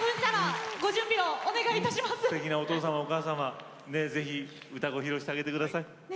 すてきな、お父様お母様に歌を披露してあげてください。